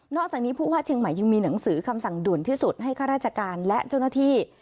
จากนี้ผู้ว่าเชียงใหม่ยังมีหนังสือคำสั่งด่วนที่สุดให้ข้าราชการและเจ้าหน้าที่